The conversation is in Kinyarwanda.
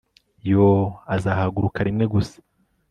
Yoo azahaguruka rimwe gusa